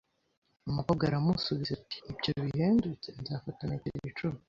Umukobwa aramusubiza ati: "Ibyo bihendutse. Nzafata metero icumi".